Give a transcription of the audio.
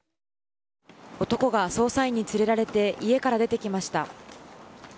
男が捜査員に連れられて家から出てきました。